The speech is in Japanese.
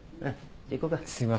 すいません。